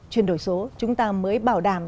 chuyển đổi số chúng ta mới bảo đảm